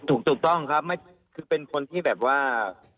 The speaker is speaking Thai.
ถูกต้องครับคือเป็นคนที่แบบว่า